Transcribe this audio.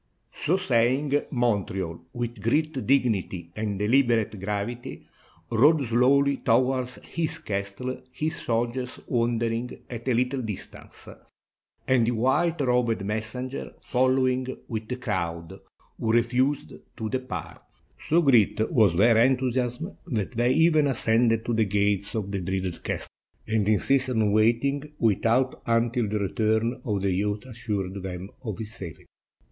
So saying, Montreal, with great dignity and deliberate gravity, rode slowly towards his castle, his soldiers, wondering, at a Httle distance, and the white robed messenger following with the crowd, who refused to depart; so great was their enthusiasm that they even 44 THE RULE OF RIENZI ascended to the gates of the dreaded castle, and insisted on waiting without until the return of the youth assured them of his safety.